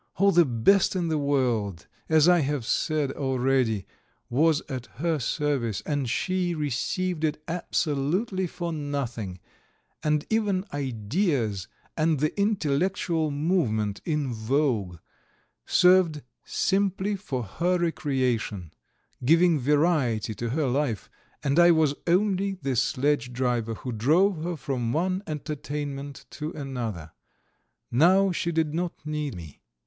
All the best in the world, as I have said already, was at her service, and she received it absolutely for nothing, and even ideas and the intellectual movement in vogue served simply for her recreation, giving variety to her life, and I was only the sledge driver who drove her from one entertainment to another. Now she did not need me.